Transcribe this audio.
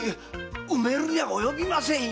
埋めるには及びませんよ！